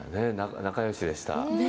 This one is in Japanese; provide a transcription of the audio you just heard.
仲よしでした。